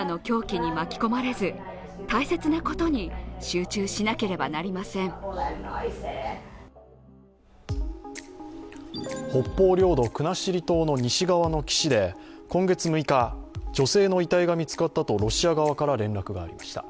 授業の狙いについて教師は北方領土、国後島の西側の岸で今月６日、女性の遺体が見つかったとロシア側から連絡がありました。